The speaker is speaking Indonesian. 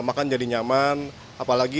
makan jadi nyaman apalagi